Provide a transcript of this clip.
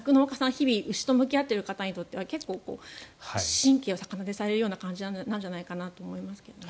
日々、牛と向き合っている方にとっては結構、神経を逆なでされるような感じなんじゃないかと思います。